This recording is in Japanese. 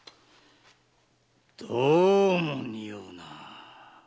どうもにおうな。